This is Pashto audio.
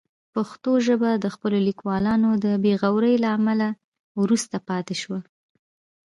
پښتو ژبه د خپلو لیکوالانو د بې غورۍ له امله وروسته پاتې شوې.